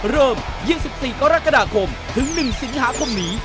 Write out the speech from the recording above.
เริ่ม๒๔กรกฎาคมถึง๑สิงหาคมนี้